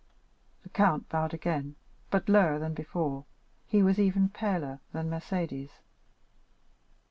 The count bowed again, but lower than before; he was even paler than Mercédès.